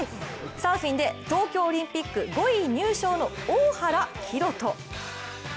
サーフィンで東京オリンピック５位入賞の大原洋人。